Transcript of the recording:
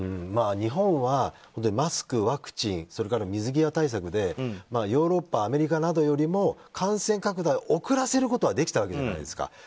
日本はマスク、ワクチンそれから水際対策でヨーロッパ、アメリカなどよりも感染拡大を遅らせることはできたわけじゃないですか。